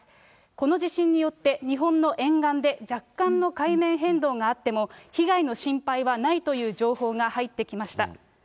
この地震によって、日本の沿岸で若干の海面変動があっても、被害の心配はないという情報が入ってきました。